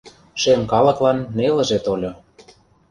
Шем калыклан нелыже тольо.